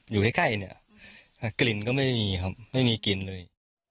อยู่ใกล้เนี่ยกลิ่นก็ไม่มีครับไม่มีกลิ่นเลย